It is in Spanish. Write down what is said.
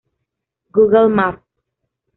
Google Maps